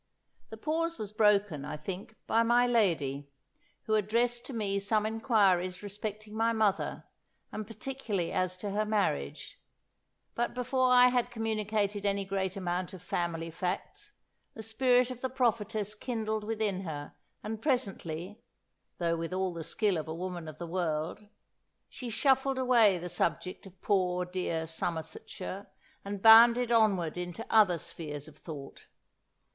The pause was broken, I think, by my lady, who addressed to me some inquiries respecting my mother, and particularly as to her marriage; but before I had communicated any great amount of family facts, the spirit of the prophetess kindled within her, and presently (though with all the skill of a woman of the world) she shuffled away the subject of poor, dear Somersetshire, and bounded onward into other spheres of thought....